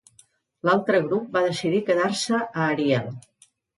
L'altre grup va decidir quedar-se a Ariel.